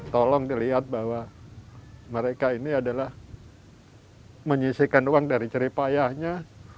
tolong dilihat bahwa mereka ini adalah menyisihkan uang dari ceri payahnya